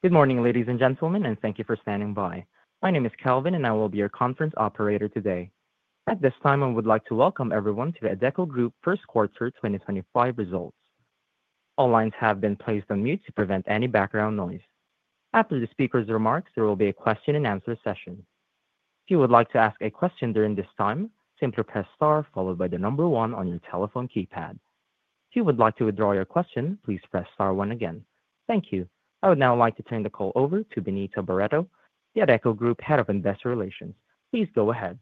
Good morning, ladies and gentlemen, and thank you for standing by. My name is Calvin, and I will be your conference operator today. At this time, I would like to welcome everyone to the Adecco Group First Quarter 2025 results. All lines have been placed on mute to prevent any background noise. After the speaker's remarks, there will be a question-and-answer session. If you would like to ask a question during this time, simply press star followed by the number one on your telephone keypad. If you would like to withdraw your question, please press star one again. Thank you. I would now like to turn the call over to Benita Barretto, the Adecco Group Head of Investor Relations. Please go ahead.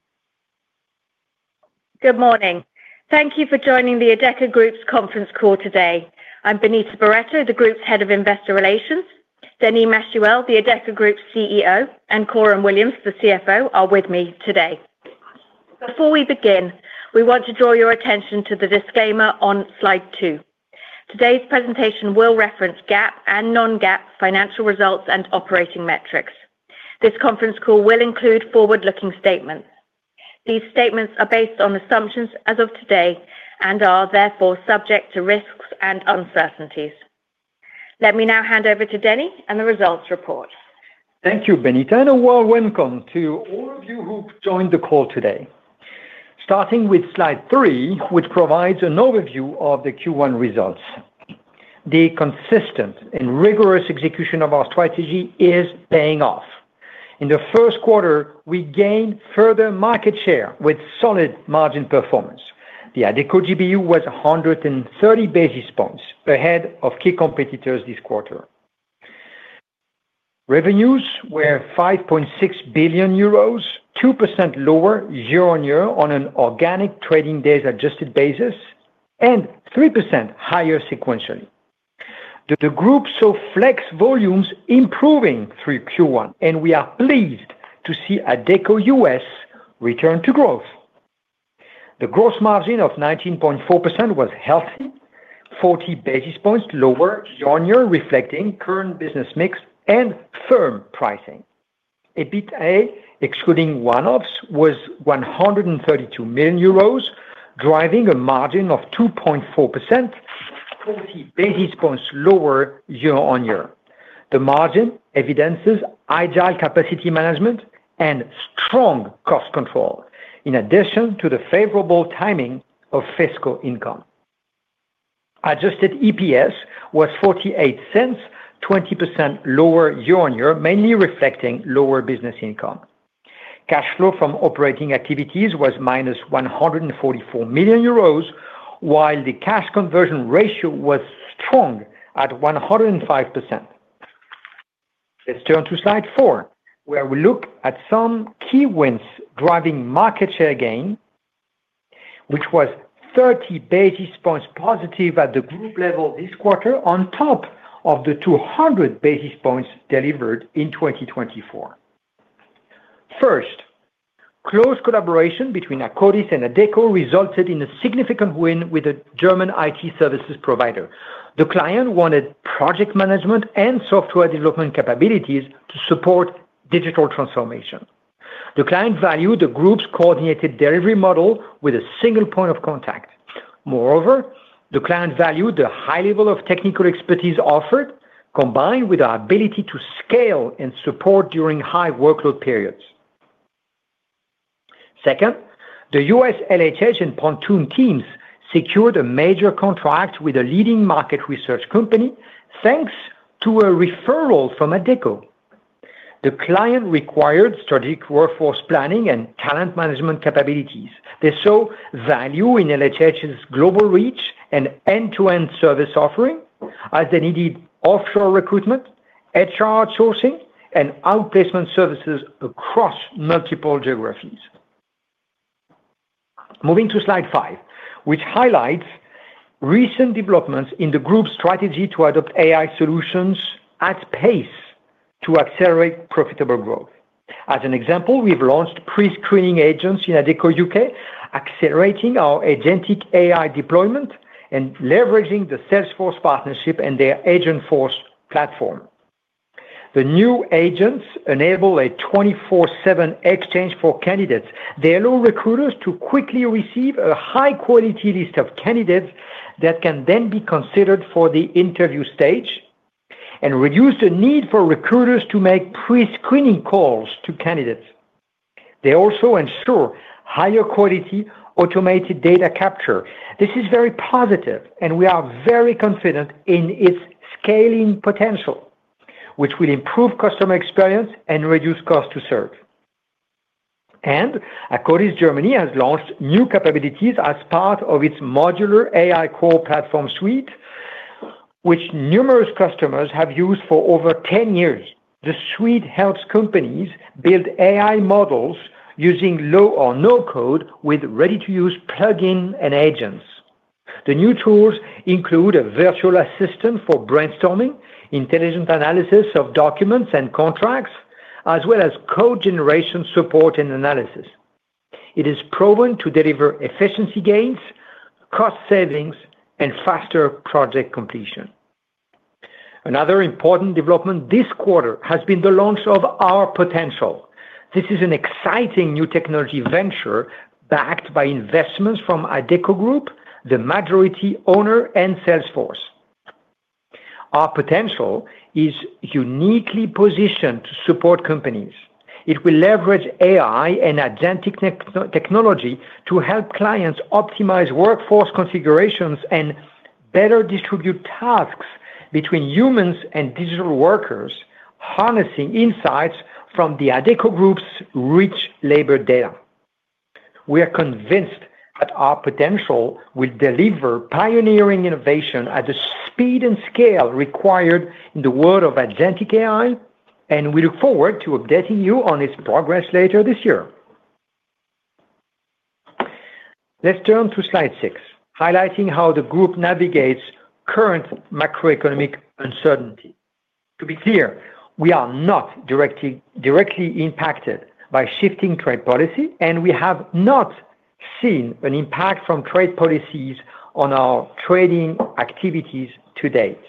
Good morning. Thank you for joining the Adecco Group's conference call today. I'm Benita Barretto, the Group's Head of Investor Relations. Denis Machuel, the Adecco Group CEO, and Coram Williams, the CFO, are with me today. Before we begin, we want to draw your attention to the disclaimer on slide two. Today's presentation will reference GAAP and non-GAAP financial results and operating metrics. This conference call will include forward-looking statements. These statements are based on assumptions as of today and are therefore subject to risks and uncertainties. Let me now hand over to Denis and the results report. Thank you, Benita, and a warm welcome to all of you who've joined the call today. Starting with slide three, which provides an overview of the Q1 results. The consistent and rigorous execution of our strategy is paying off. In the first quarter, we gained further market share with solid margin performance. The Adecco GBU was 130 basis points ahead of key competitors this quarter. Revenues were 5.6 billion euros, 2% lower year-on-year on an organic trading days adjusted basis, and 3% higher sequentially. The group saw flex volumes improving through Q1, and we are pleased to see Adecco US return to growth. The gross margin of 19.4% was healthy, 40 basis points lower year-on-year, reflecting current business mix and firm pricing. EBITDA, excluding one-offs, was 132 million euros, driving a margin of 2.4%, 40 basis points lower year-on-year. The margin evidences agile capacity management and strong cost control, in addition to the favorable timing of fiscal income. Adjusted EPS was 0.48, 20% lower year-on-year, mainly reflecting lower business income. Cash flow from operating activities was -144 million euros, while the cash conversion ratio was strong at 105%. Let's turn to slide four, where we look at some key wins driving market share gain, which was 30 basis points positive at the group level this quarter, on top of the 200 basis points delivered in 2024. First, close collaboration between Akkodis and Adecco resulted in a significant win with a German IT services provider. The client wanted project management and software development capabilities to support digital transformation. The client valued the group's coordinated delivery model with a single point of contact. Moreover, the client valued the high level of technical expertise offered, combined with our ability to scale and support during high workload periods. Second, the US LHH and Pontoon teams secured a major contract with a leading market research company, thanks to a referral from Adecco. The client required strategic workforce planning and talent management capabilities. They saw value in LHH's global reach and end-to-end service offering, as they needed offshore recruitment, HR outsourcing, and outplacement services across multiple geographies. Moving to slide five, which highlights recent developments in the group's strategy to adopt AI solutions at pace to accelerate profitable growth. As an example, we've launched pre-screening agents in Adecco U.K., accelerating our agentic AI deployment and leveraging the Salesforce partnership and their Agentforce platform. The new agents enable a 24/7 exchange for candidates. They allow recruiters to quickly receive a high-quality list of candidates that can then be considered for the interview stage and reduce the need for recruiters to make pre-screening calls to candidates. They also ensure higher quality automated data capture. This is very positive, and we are very confident in its scaling potential, which will improve customer experience and reduce cost to serve. Akkodis Germany has launched new capabilities as part of its Modular AI Core Platform Suite, which numerous customers have used for over 10 years. The suite helps companies build AI models using low or no code with ready-to-use plugins and agents. The new tools include a virtual assistant for brainstorming, intelligent analysis of documents and contracts, as well as code generation support and analysis. It is proven to deliver efficiency gains, cost savings, and faster project completion. Another important development this quarter has been the launch of Our Potential. This is an exciting new technology venture backed by investments from Adecco Group, the majority owner, and Salesforce. Our Potential is uniquely positioned to support companies. It will leverage AI and agentic technology to help clients optimize workforce configurations and better distribute tasks between humans and digital workers, harnessing insights from the Adecco Group's rich labor data. We are convinced that Our Potential will deliver pioneering innovation at the speed and scale required in the world of agentic AI, and we look forward to updating you on its progress later this year. Let's turn to slide six, highlighting how the group navigates current macroeconomic uncertainty. To be clear, we are not directly impacted by shifting trade policy, and we have not seen an impact from trade policies on our trading activities to date.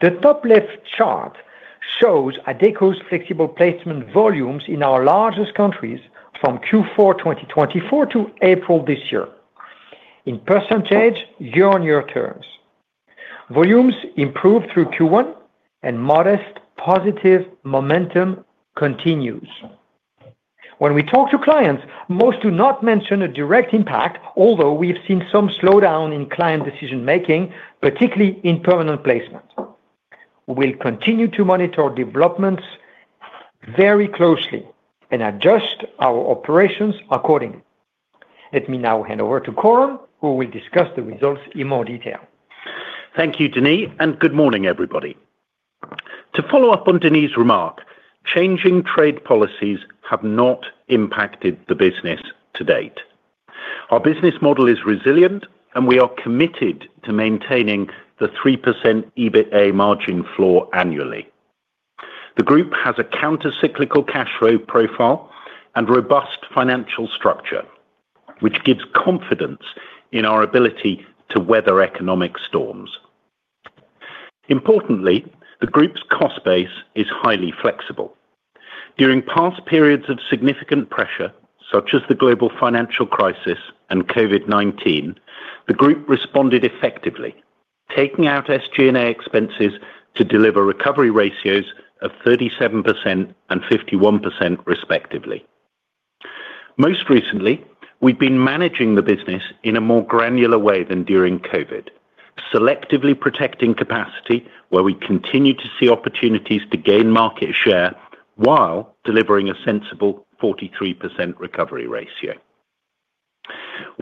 The top left chart shows Adecco's flexible placement volumes in our largest countries from Q4 2024 to April this year, in percentage year-on-year terms. Volumes improved through Q1, and modest positive momentum continues. When we talk to clients, most do not mention a direct impact, although we've seen some slowdown in client decision-making, particularly in permanent placement. We'll continue to monitor developments very closely and adjust our operations accordingly. Let me now hand over to Coram, who will discuss the results in more detail. Thank you, Denis, and good morning, everybody. To follow up on Denis's remark, changing trade policies have not impacted the business to date. Our business model is resilient, and we are committed to maintaining the 3% EBITDA margin floor annually. The group has a countercyclical cash flow profile and robust financial structure, which gives confidence in our ability to weather economic storms. Importantly, the group's cost base is highly flexible. During past periods of significant pressure, such as the global financial crisis and COVID-19, the group responded effectively, taking out SG&A expenses to deliver recovery ratios of 37% and 51%, respectively. Most recently, we've been managing the business in a more granular way than during COVID, selectively protecting capacity where we continue to see opportunities to gain market share while delivering a sensible 43% recovery ratio.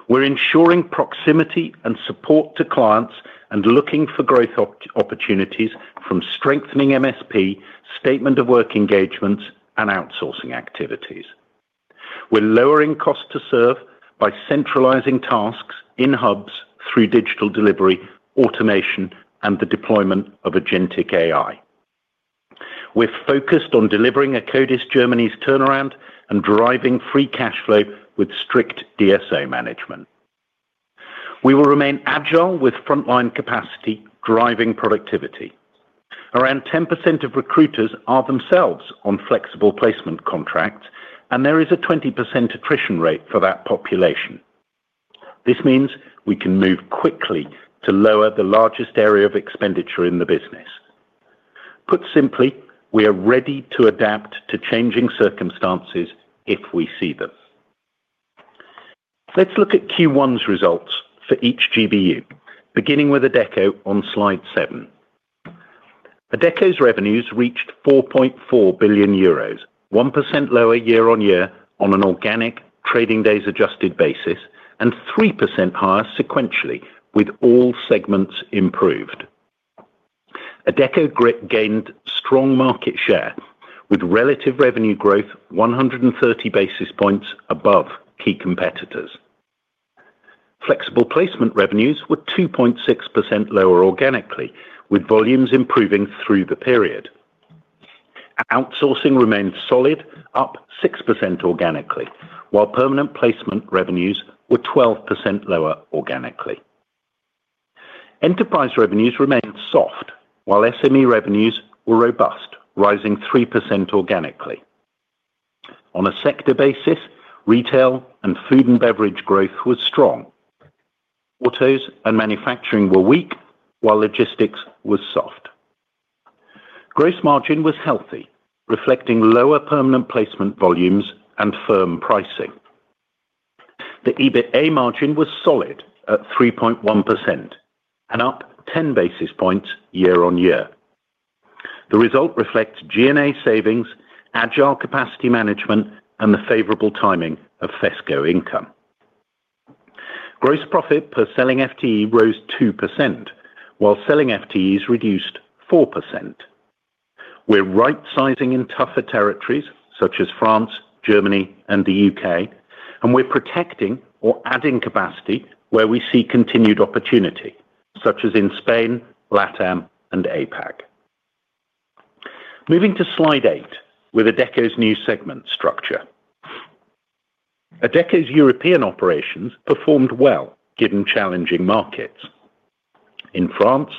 We're ensuring proximity and support to clients and looking for growth opportunities from strengthening MSP, statement of work engagements, and outsourcing activities. We're lowering cost to serve by centralizing tasks in hubs through digital delivery, automation, and the deployment of agentic AI. We're focused on delivering Akkodis Germany's turnaround and driving free cash flow with strict DSA management. We will remain agile with frontline capacity driving productivity. Around 10% of recruiters are themselves on flexible placement contracts, and there is a 20% attrition rate for that population. This means we can move quickly to lower the largest area of expenditure in the business. Put simply, we are ready to adapt to changing circumstances if we see them. Let's look at Q1's results for each GBU, beginning with Adecco on slide seven. Group's revenues reached 4.4 billion euros, 1% lower year-on-year on an organic trading days adjusted basis, and 3% higher sequentially with all segments improved. Adecco Group gained strong market share with relative revenue growth 130 basis points above key competitors. Flexible placement revenues were 2.6% lower organically, with volumes improving through the period. Outsourcing remained solid, up 6% organically, while permanent placement revenues were 12% lower organically. Enterprise revenues remained soft, while SME revenues were robust, rising 3% organically. On a sector basis, retail and food and beverage growth was strong. Autos and manufacturing were weak, while logistics was soft. Gross margin was healthy, reflecting lower permanent placement volumes and firm pricing. The EBITDA margin was solid at 3.1% and up 10 basis points year-on-year. The result reflects G&A savings, agile capacity management, and the favorable timing of fiscal income. Gross profit per selling FTE rose 2%, while selling FTEs reduced 4%. We're right-sizing in tougher territories such as France, Germany, and the U.K., and we're protecting or adding capacity where we see continued opportunity, such as in Spain, LATAM, and APAC. Moving to slide eight with Adecco's new segment structure. Adecco's European operations performed well given challenging markets. In France,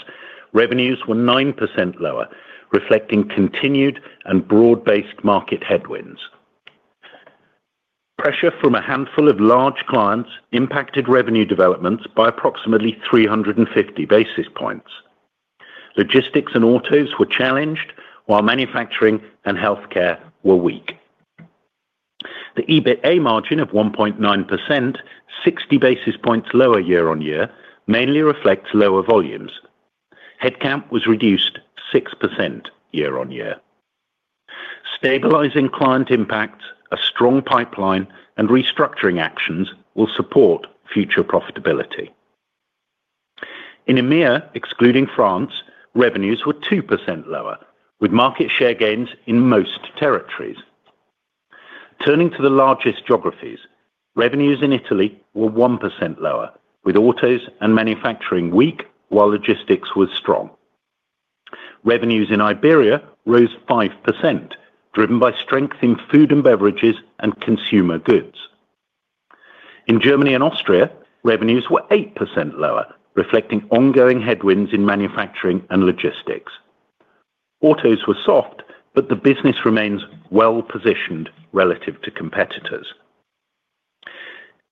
revenues were 9% lower, reflecting continued and broad-based market headwinds. Pressure from a handful of large clients impacted revenue developments by approximately 350 basis points. Logistics and autos were challenged, while manufacturing and healthcare were weak. The EBITDA margin of 1.9%, 60 basis points lower year-on-year, mainly reflects lower volumes. Headcount was reduced 6% year-on-year. Stabilizing client impacts, a strong pipeline, and restructuring actions will support future profitability. In EMEA, excluding France, revenues were 2% lower, with market share gains in most territories. Turning to the largest geographies, revenues in Italy were 1% lower, with autos and manufacturing weak while logistics was strong. Revenues in Iberia rose 5%, driven by strength in food and beverages and consumer goods. In Germany and Austria, revenues were 8% lower, reflecting ongoing headwinds in manufacturing and logistics. Autos were soft, but the business remains well-positioned relative to competitors.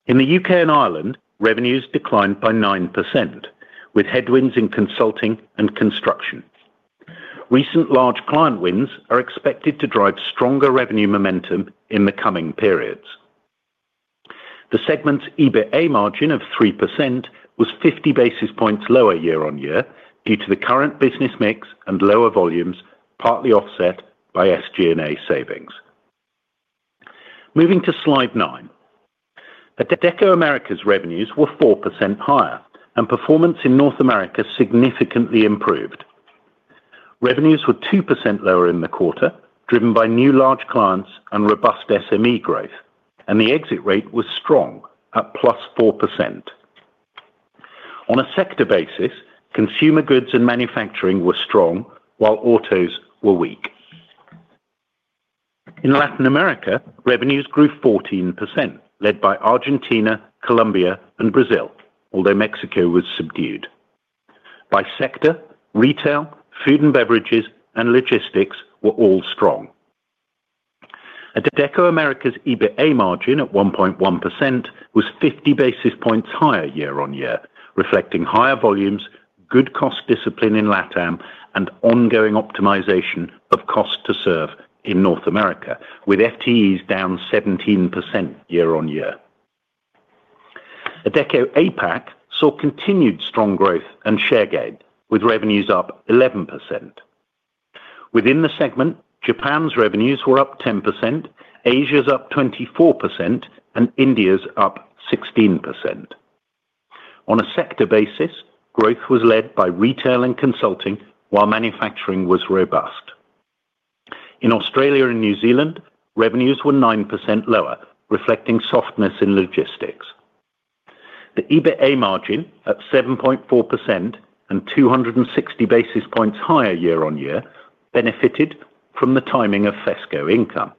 In the U.K. and Ireland, revenues declined by 9%, with headwinds in consulting and construction. Recent large client wins are expected to drive stronger revenue momentum in the coming periods. The segment's EBITDA margin of 3% was 50 basis points lower year-on-year due to the current business mix and lower volumes, partly offset by SG&A savings. Moving to slide nine, Adecco America's revenues were 4% higher, and performance in North America significantly improved. Revenues were 2% lower in the quarter, driven by new large clients and robust SME growth, and the exit rate was strong, at +4%. On a sector basis, consumer goods and manufacturing were strong, while autos were weak. In Latin America, revenues grew 14%, led by Argentina, Colombia, and Brazil, although Mexico was subdued. By sector, retail, food and beverages, and logistics were all strong. Adecco America's EBITDA margin at 1.1% was 50 basis points higher year-on-year, reflecting higher volumes, good cost discipline in Latin America, and ongoing optimization of cost to serve in North America, with FTEs down 17% year-on-year. Adecco APAC saw continued strong growth and share gain, with revenues up 11%. Within the segment, Japan's revenues were up 10%, Asia's up 24%, and India's up 16%. On a sector basis, growth was led by retail and consulting, while manufacturing was robust. In Australia and New Zealand, revenues were 9% lower, reflecting softness in logistics. The EBITDA margin, at 7.4% and 260 basis points higher year-on-year, benefited from the timing of fiscal income.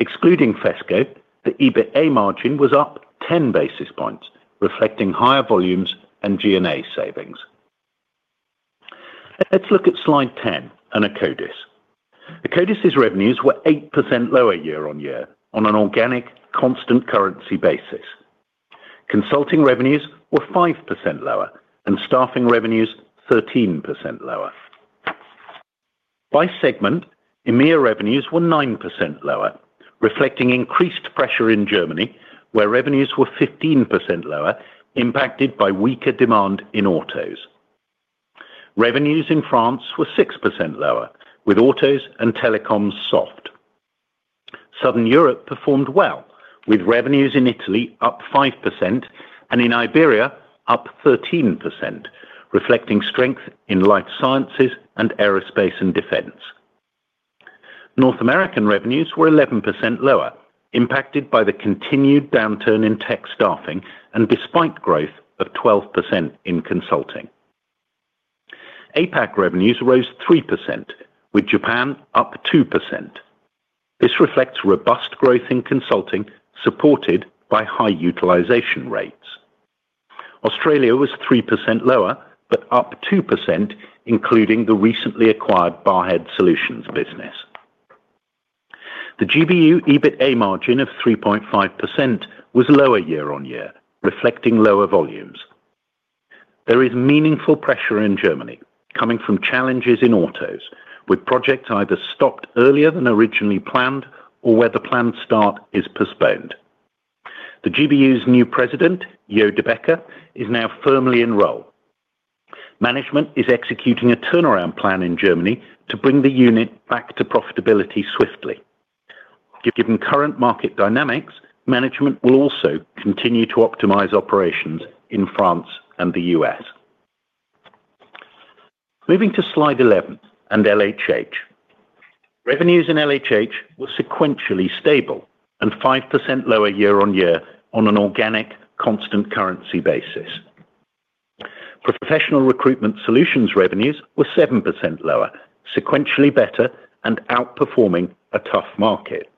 Excluding fiscal, the EBITDA margin was up 10 basis points, reflecting higher volumes and G&A savings. Let's look at slide 10 and Akkodis. Akkodis's revenues were 8% lower year-on-year on an organic, constant currency basis. Consulting revenues were 5% lower and staffing revenues 13% lower. By segment, EMEA revenues were 9% lower, reflecting increased pressure in Germany, where revenues were 15% lower, impacted by weaker demand in autos. Revenues in France were 6% lower, with autos and telecoms soft. Southern Europe performed well, with revenues in Italy up 5% and in Iberia up 13%, reflecting strength in life sciences and aerospace and defense. North American revenues were 11% lower, impacted by the continued downturn in tech staffing and despite growth of 12% in consulting. APAC revenues rose 3%, with Japan up 2%. This reflects robust growth in consulting supported by high utilization rates. Australia was 3% lower but up 2%, including the recently acquired Barhead Solutions business. The GBU EBITDA margin of 3.5% was lower year-on-year, reflecting lower volumes. There is meaningful pressure in Germany coming from challenges in autos, with projects either stopped earlier than originally planned or where the planned start is postponed. The GBU's new President, Jo Debecker, is now firmly in role. Management is executing a turnaround plan in Germany to bring the unit back to profitability swiftly. Given current market dynamics, management will also continue to optimize operations in France and the US. Moving to slide 11 and LHH. Revenues in LHH were sequentially stable and 5% lower year-on-year on an organic, constant currency basis. Professional recruitment solutions revenues were 7% lower, sequentially better and outperforming a tough market.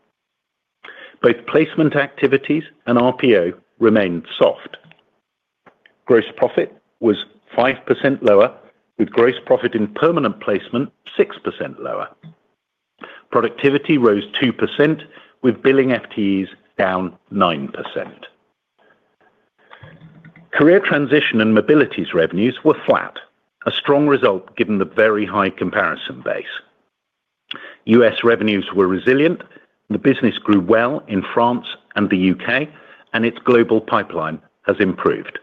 Both placement activities and RPO remained soft. Gross profit was 5% lower, with gross profit in permanent placement 6% lower. Productivity rose 2%, with billing FTEs down 9%. Career transition and mobilities revenues were flat, a strong result given the very high comparison base. U.S. revenues were resilient. The business grew well in France and the U.K., and its global pipeline has improved.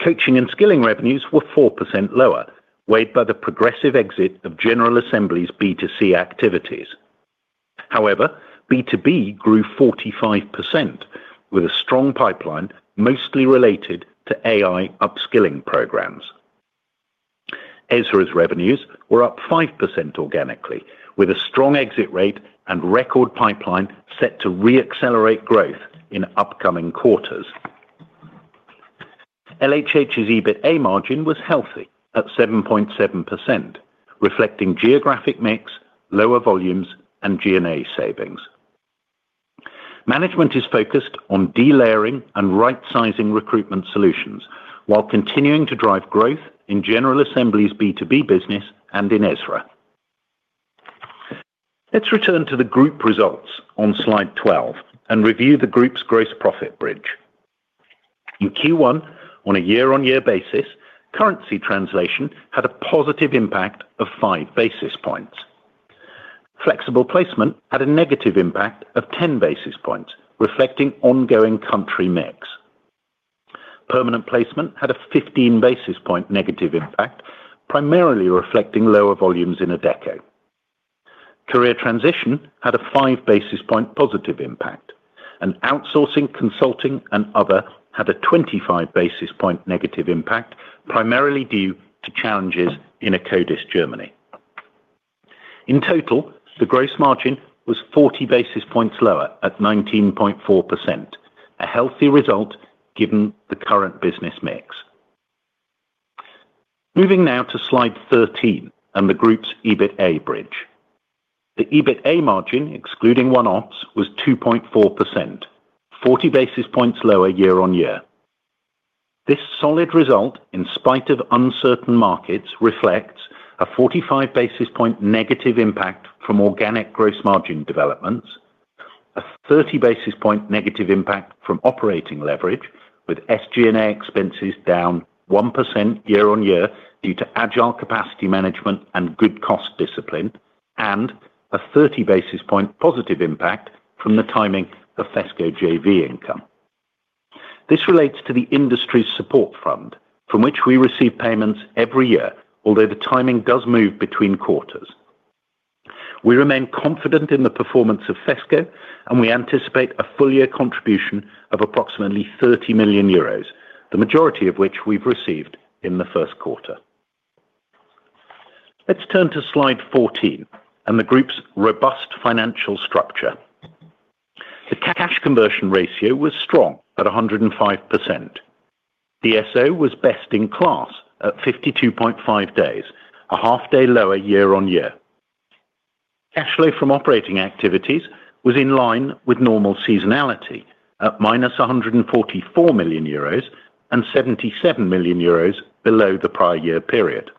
Coaching and skilling revenues were 4% lower, weighed by the progressive exit of General Assembly's B2C activities. However, B2B grew 45%, with a strong pipeline mostly related to AI upskilling programs. Ezra's revenues were up 5% organically, with a strong exit rate and record pipeline set to re-accelerate growth in upcoming quarters. LHH's EBITDA margin was healthy at 7.7%, reflecting geographic mix, lower volumes, and G&A savings. Management is focused on delayering and right-sizing recruitment solutions while continuing to drive growth in General Assembly's B2B business and in Ezra. Let's return to the group results on slide 12 and review the group's gross profit bridge. In Q1, on a year-on-year basis, currency translation had a positive impact of 5 basis points. Flexible placement had a negative impact of 10 basis points, reflecting ongoing country mix. Permanent placement had a 15 basis point negative impact, primarily reflecting lower volumes in Adecco. Career transition had a 5 basis point positive impact. Outsourcing, consulting, and other had a 25 basis point negative impact, primarily due to challenges in Akkodis, Germany. In total, the gross margin was 40 basis points lower at 19.4%, a healthy result given the current business mix. Moving now to slide 13 and the group's EBITDA bridge. The EBITDA margin, excluding one-offs, was 2.4%, 40 basis points lower year-on-year. This solid result, in spite of uncertain markets, reflects a 45 basis point negative impact from organic gross margin developments, a 30 basis point negative impact from operating leverage, with SG&A expenses down 1% year-on-year due to agile capacity management and good cost discipline, and a 30 basis point positive impact from the timing of fiscal JV income. This relates to the industry's support fund, from which we receive payments every year, although the timing does move between quarters. We remain confident in the performance of fiscal, and we anticipate a full-year contribution of approximately 30 million euros, the majority of which we've received in the first quarter. Let's turn to slide 14 and the group's robust financial structure. The cash conversion ratio was strong at 105%. The SO was best in class at 52.5 days, a half day lower year-on-year. Cash flow from operating activities was in line with normal seasonality at -144 million euros and 77 million euros below the prior year period.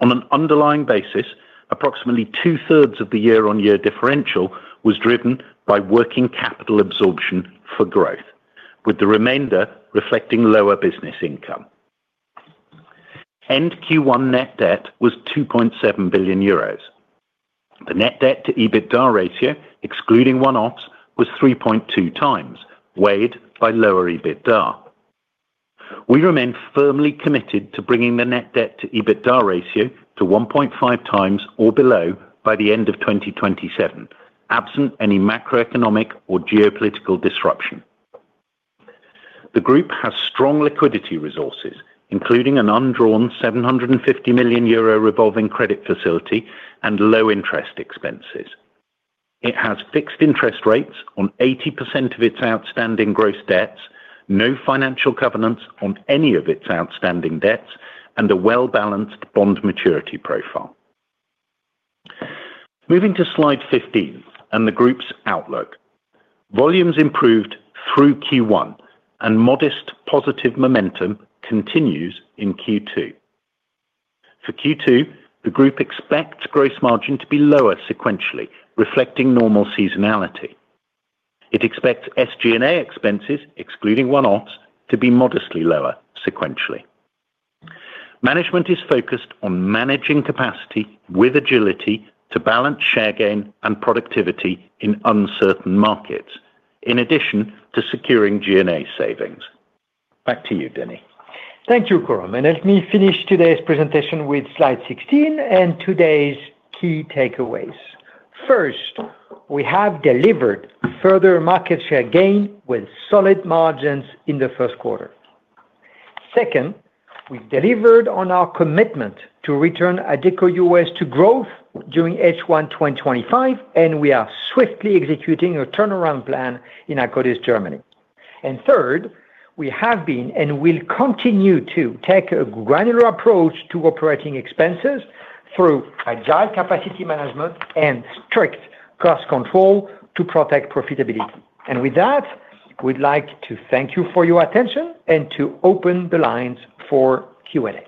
On an underlying basis, approximately two-thirds of the year-on-year differential was driven by working capital absorption for growth, with the remainder reflecting lower business income. End Q1 net debt was 2.7 billion euros. The net debt-to-EBITDA ratio, excluding one-offs, was 3.2 times, weighed by lower EBITDA. We remain firmly committed to bringing the net debt-to-EBITDA ratio to 1.5 times or below by the end of 2027, absent any macroeconomic or geopolitical disruption. The group has strong liquidity resources, including an undrawn 750 million euro revolving credit facility and low-interest expenses. It has fixed interest rates on 80% of its outstanding gross debts, no financial covenants on any of its outstanding debts, and a well-balanced bond maturity profile. Moving to slide 15 and the group's outlook. Volumes improved through Q1, and modest positive momentum continues in Q2. For Q2, the group expects gross margin to be lower sequentially, reflecting normal seasonality. It expects SG&A expenses, excluding one-offs, to be modestly lower sequentially. Management is focused on managing capacity with agility to balance share gain and productivity in uncertain markets, in addition to securing G&A savings. Back to you, Denis. Thank you, Coram. Let me finish today's presentation with slide 16 and today's key takeaways. First, we have delivered further market share gain with solid margins in the first quarter. Second, we have delivered on our commitment to return Adecco US to growth during H1 2025, and we are swiftly executing a turnaround plan in Akkodis, Germany. Third, we have been and will continue to take a granular approach to operating expenses through agile capacity management and strict cost control to protect profitability. With that, we would like to thank you for your attention and to open the lines for Q&A.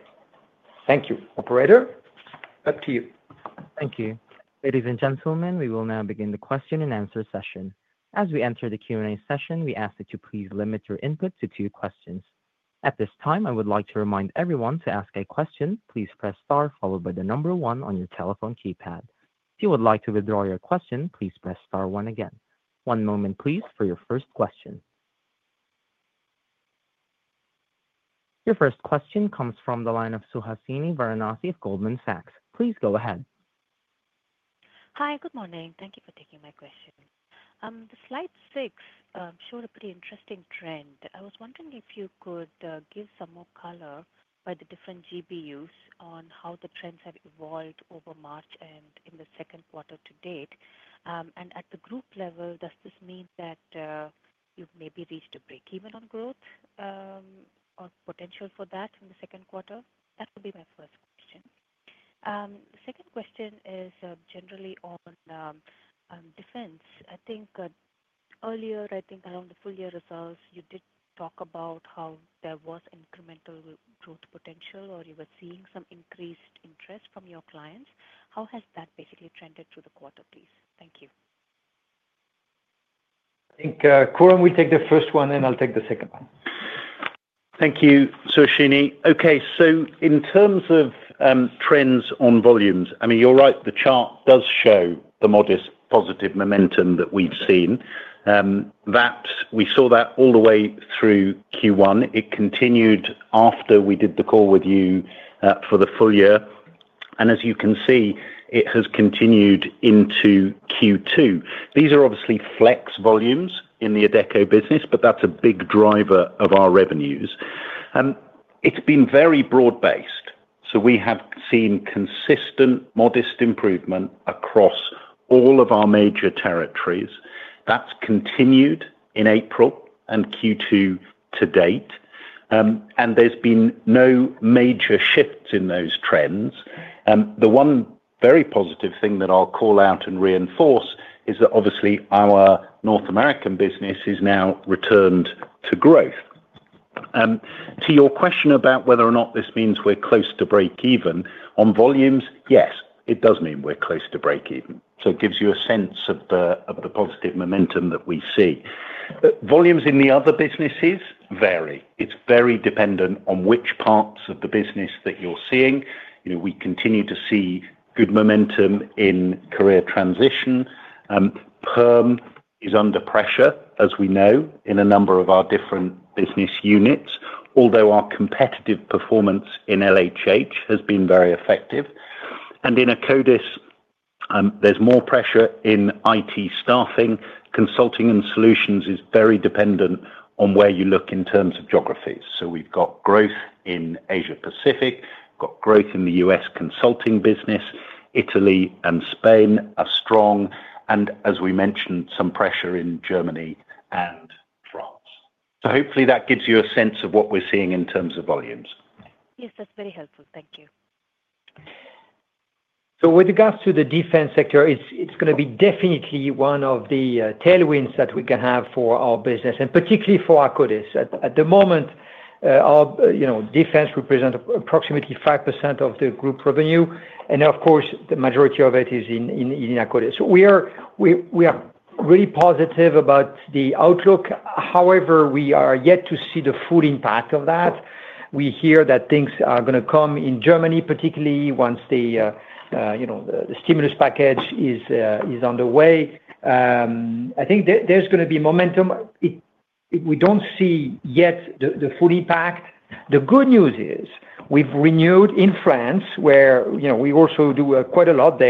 Thank you, operator. Up to you. Thank you. Ladies and gentlemen, we will now begin the question and answer session. As we enter the Q&A session, we ask that you please limit your input to two questions. At this time, I would like to remind everyone to ask a question. Please press star followed by the number one on your telephone keypad. If you would like to withdraw your question, please press star one again. One moment, please, for your first question. Your first question comes from the line of Suhasini Varanasi of Goldman Sachs. Please go ahead. Hi, good morning. Thank you for taking my question. The slide 6 showed a pretty interesting trend. I was wondering if you could give some more color by the different GBUs on how the trends have evolved over March and in the second quarter to date. At the group level, does this mean that you have maybe reached a break-even on growth or potential for that in the second quarter? That would be my first question. The second question is generally on defense. I think earlier, I think around the full-year results, you did talk about how there was incremental growth potential or you were seeing some increased interest from your clients. How has that basically trended through the quarter, please? Thank you. I think, Coram, we take the first one, then I'll take the second one. Thank you, Suhasini. Okay, so in terms of trends on volumes, I mean, you're right, the chart does show the modest positive momentum that we've seen. We saw that all the way through Q1. It continued after we did the call with you for the full year. As you can see, it has continued into Q2. These are obviously flex volumes in the Adecco business, but that's a big driver of our revenues. It's been very broad-based, so we have seen consistent modest improvement across all of our major territories. That's continued in April and Q2 to date. There has been no major shifts in those trends. The one very positive thing that I'll call out and reinforce is that obviously our North American business has now returned to growth. To your question about whether or not this means we're close to break-even, on volumes, yes, it does mean we're close to break-even. It gives you a sense of the positive momentum that we see. Volumes in the other businesses vary. It's very dependent on which parts of the business that you're seeing. We continue to see good momentum in Career Transition. Perm is under pressure, as we know, in a number of our different business units, although our competitive performance in LHH has been very effective. In Akkodis, there's more pressure in IT staffing. Consulting and solutions is very dependent on where you look in terms of geographies. We have growth in Asia-Pacific, growth in the US consulting business. Italy and Spain are strong. As we mentioned, there is some pressure in Germany and France. Hopefully that gives you a sense of what we're seeing in terms of volumes. Yes, that's very helpful. Thank you. With regards to the defense sector, it's definitely going to be one of the tailwinds that we can have for our business, and particularly for Akkodis. At the moment, our defense represents approximately 5% of the group revenue. Of course, the majority of it is in Akkodis. We are really positive about the outlook. However, we are yet to see the full impact of that. We hear that things are going to come in Germany, particularly once the stimulus package is underway. I think there's going to be momentum. We don't see yet the full impact. The good news is we've renewed in France, where we also do quite a lot.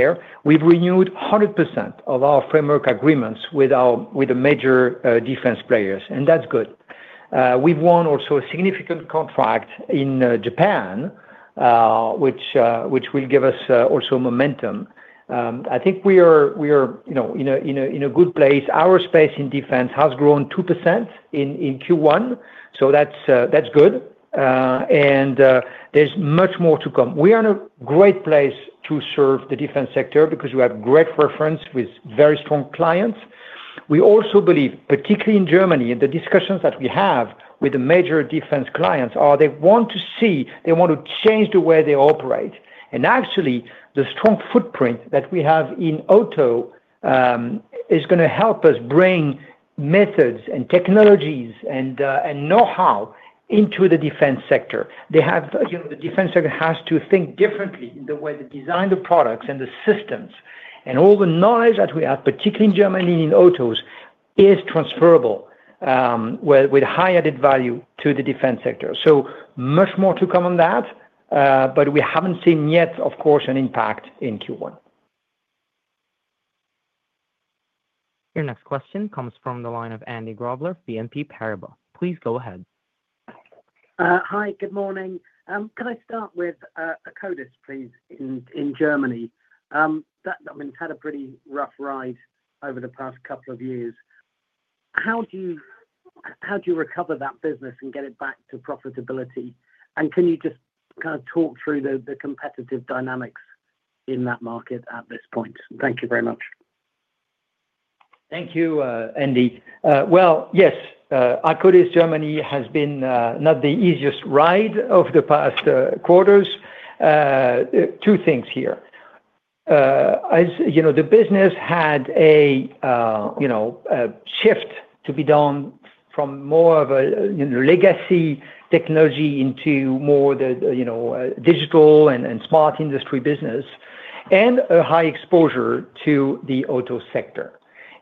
We've renewed 100% of our framework agreements with the major defense players. That's good. We've won also a significant contract in Japan, which will give us also momentum. I think we are in a good place. Our space in defense has grown 2% in Q1, so that's good. There's much more to come. We are in a great place to serve the defense sector because we have great reference with very strong clients. We also believe, particularly in Germany, the discussions that we have with the major defense clients are they want to see they want to change the way they operate. Actually, the strong footprint that we have in auto is going to help us bring methods and technologies and know-how into the defense sector. The defense sector has to think differently in the way they design the products and the systems. All the knowledge that we have, particularly in Germany and in autos, is transferable with high added value to the defense sector. So much more to come on that, but we have not seen yet, of course, an impact in Q1. Your next question comes from the line of Andy Grobler, BNP Paribas. Please go ahead. Hi, good morning. Can I start with Akkodis, please, in Germany? That company has had a pretty rough ride over the past couple of years. How do you recover that business and get it back to profitability? And can you just kind of talk through the competitive dynamics in that market at this point? Thank you very much. Thank you, Andy. Yes, Akkodis Germany has been not the easiest ride of the past quarters. Two things here. The business had a shift to be done from more of a legacy technology into more of the digital and smart industry business and a high exposure to the auto sector.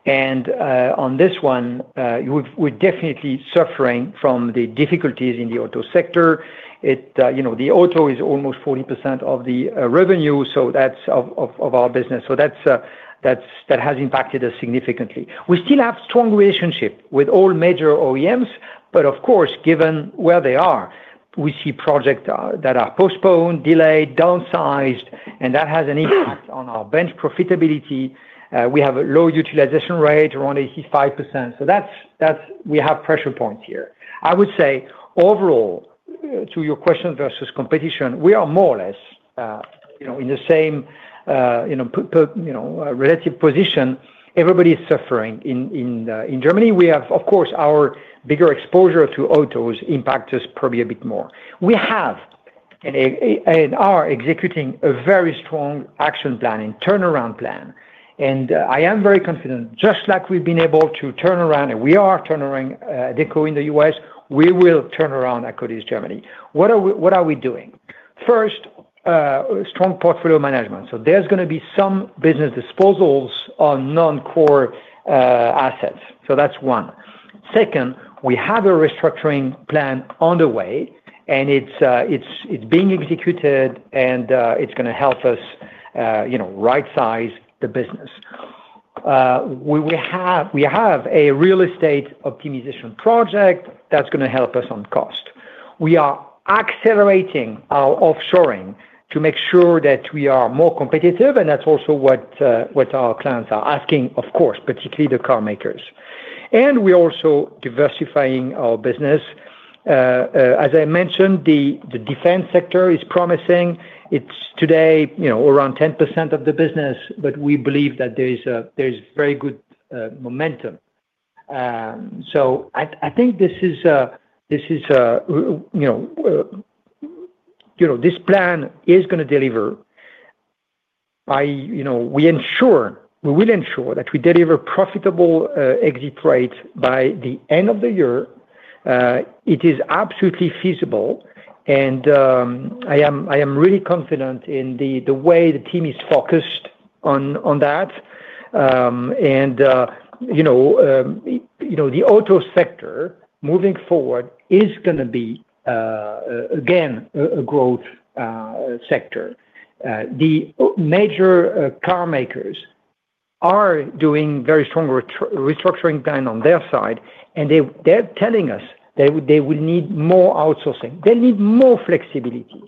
On this one, we're definitely suffering from the difficulties in the auto sector. The auto is almost 40% of the revenue, so that's of our business. That has impacted us significantly. We still have strong relationships with all major OEMs, but of course, given where they are, we see projects that are postponed, delayed, downsized, and that has an impact on our bench profitability. We have a low utilization rate around 85%. We have pressure points here. I would say overall, to your question versus competition, we are more or less in the same relative position. Everybody's suffering in Germany. We have, of course, our bigger exposure to autos impacts us probably a bit more. We have and are executing a very strong action plan and turnaround plan. I am very confident, just like we've been able to turn around, and we are turning Adecco in the U.S., we will turn around Akkodis, Germany. What are we doing? First, strong portfolio management. There are going to be some business disposals on non-core assets. That is one. Second, we have a restructuring plan underway, and it is being executed, and it is going to help us right-size the business. We have a real estate optimization project that is going to help us on cost. We are accelerating our offshoring to make sure that we are more competitive, and that is also what our clients are asking, of course, particularly the car makers. We are also diversifying our business. As I mentioned, the defense sector is promising. It's today around 10% of the business, but we believe that there's very good momentum. I think this plan is going to deliver. We will ensure that we deliver profitable exit rates by the end of the year. It is absolutely feasible, and I am really confident in the way the team is focused on that. The auto sector moving forward is going to be, again, a growth sector. The major car makers are doing very strong restructuring plan on their side, and they're telling us they will need more outsourcing. They need more flexibility.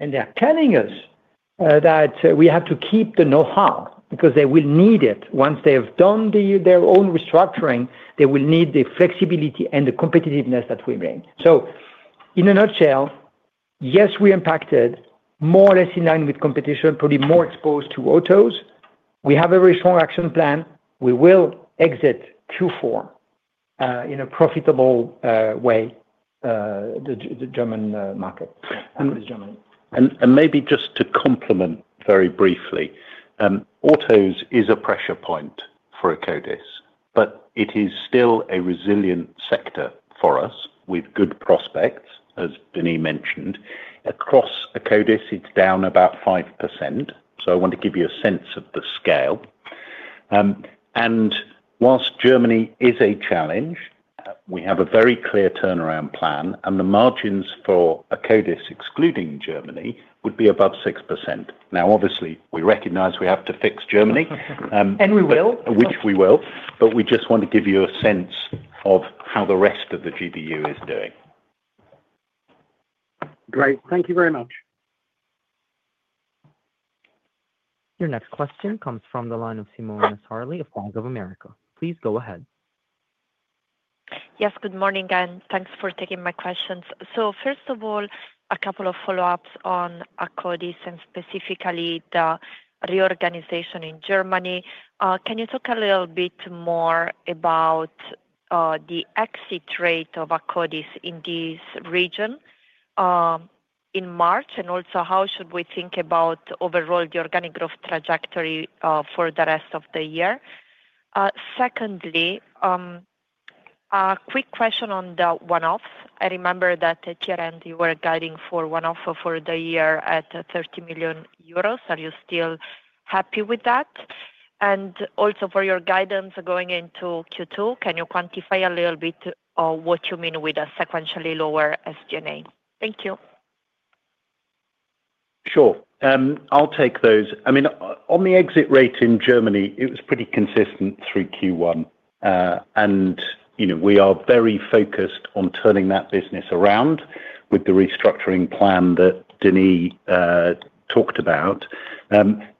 They're telling us that we have to keep the know-how because they will need it. Once they have done their own restructuring, they will need the flexibility and the competitiveness that we bring. In a nutshell, yes, we're impacted more or less in line with competition, probably more exposed to autos. We have a very strong action plan. We will exit Q4 in a profitable way, the German market, Akkodis, Germany. Maybe just to complement very briefly, autos is a pressure point for Akkodis, but it is still a resilient sector for us with good prospects, as Denis mentioned. Across Akkodis, it's down about 5%. I want to give you a sense of the scale. Whilst Germany is a challenge, we have a very clear turnaround plan, and the margins for Akkodis, excluding Germany, would be above 6%. Obviously, we recognize we have to fix Germany. We will. We just want to give you a sense of how the rest of the GBU is doing. Great. Thank you very much. Your next question comes from the line of Simona Sarli of Bank of America. Please go ahead. Yes, good morning and thanks for taking my questions. First of all, a couple of follow-ups on Akkodis and specifically the reorganization in Germany. Can you talk a little bit more about the exit rate of Akkodis in this region in March? Also, how should we think about overall the organic growth trajectory for the rest of the year? Secondly, a quick question on the one-off. I remember that at year-end, you were guiding for one-off for the year at 30 million euros. Are you still happy with that? Also, for your guidance going into Q2, can you quantify a little bit what you mean with a sequentially lower SG&A? Thank you. Sure. I'll take those. I mean, on the exit rate in Germany, it was pretty consistent through Q1. We are very focused on turning that business around with the restructuring plan that Denis talked about.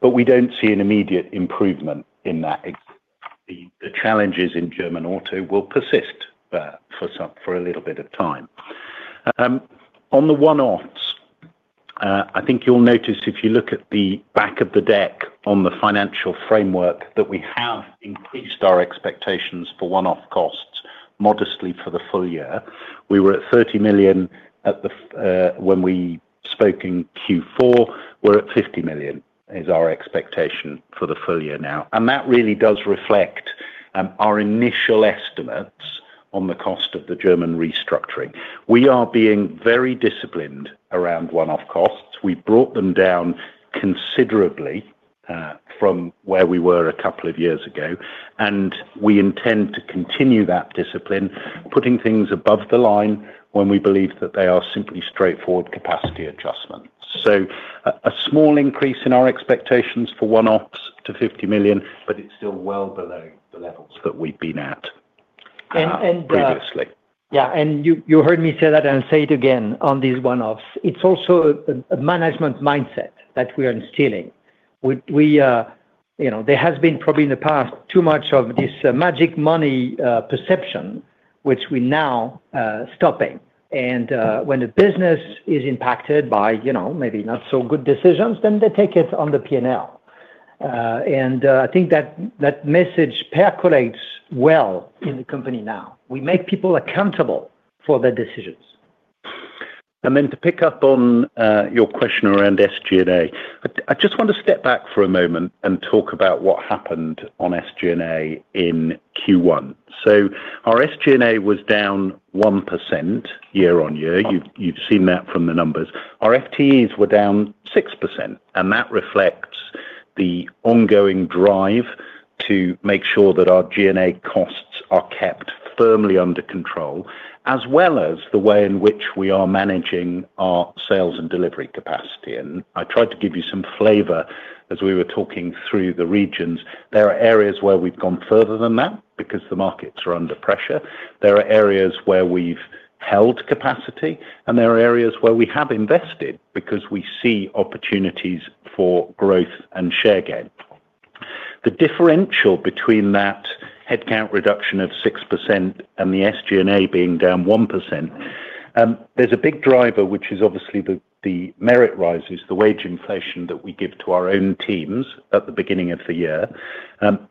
We do not see an immediate improvement in that. The challenges in German auto will persist for a little bit of time. On the one-offs, I think you will notice if you look at the back of the deck on the financial framework that we have increased our expectations for one-off costs modestly for the full year. We were at 30 million when we spoke in Q4. We are at 50 million as our expectation for the full year now. That really does reflect our initial estimates on the cost of the German restructuring. We are being very disciplined around one-off costs. We brought them down considerably from where we were a couple of years ago. We intend to continue that discipline, putting things above the line when we believe that they are simply straightforward capacity adjustments. A small increase in our expectations for one-offs to 50 million, but it is still well below the levels that we have been at previously. You heard me say that, and I will say it again on these one-offs. It is also a management mindset that we are instilling. There has been probably in the past too much of this magic money perception, which we are now stopping. When the business is impacted by maybe not so good decisions, then they take it on the P&L. I think that message percolates well in the company now. We make people accountable for their decisions. To pick up on your question around SG&A, I just want to step back for a moment and talk about what happened on SG&A in Q1. Our SG&A was down 1% year on year. You have seen that from the numbers. Our FTEs were down 6%. That reflects the ongoing drive to make sure that our G&A costs are kept firmly under control, as well as the way in which we are managing our sales and delivery capacity. I tried to give you some flavor as we were talking through the regions. There are areas where we have gone further than that because the markets are under pressure. There are areas where we have held capacity, and there are areas where we have invested because we see opportunities for growth and share gain. The differential between that headcount reduction of 6% and the SG&A being down 1%, there's a big driver, which is obviously the merit rises, the wage inflation that we give to our own teams at the beginning of the year.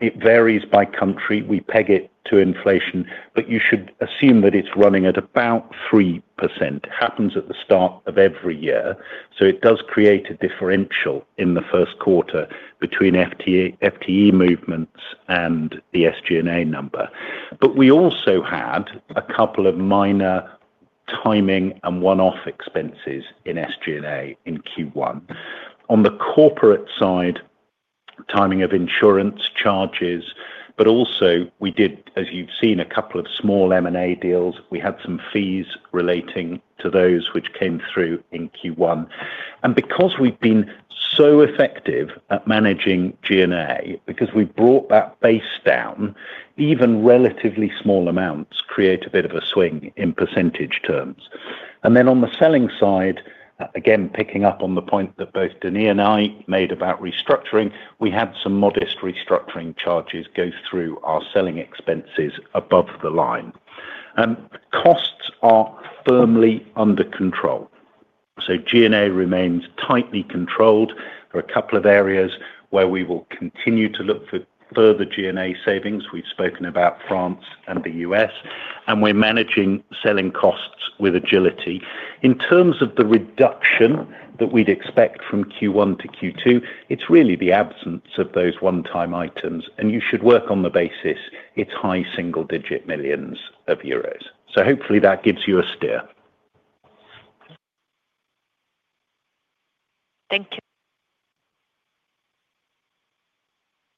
It varies by country. We peg it to inflation, but you should assume that it's running at about 3%. It happens at the start of every year. It does create a differential in the first quarter between FTE movements and the SG&A number. We also had a couple of minor timing and one-off expenses in SG&A in Q1. On the corporate side, timing of insurance charges, but also we did, as you've seen, a couple of small M&A deals. We had some fees relating to those which came through in Q1. Because we've been so effective at managing G&A, because we brought that base down, even relatively small amounts create a bit of a swing in percentage terms. On the selling side, again, picking up on the point that both Denis and I made about restructuring, we had some modest restructuring charges go through our selling expenses above the line. Costs are firmly under control. G&A remains tightly controlled. There are a couple of areas where we will continue to look for further G&A savings. We've spoken about France and the US, and we're managing selling costs with agility. In terms of the reduction that we'd expect from Q1 to Q2, it's really the absence of those one-time items. You should work on the basis. It's high single-digit millions of EUR. Hopefully that gives you a steer. Thank you.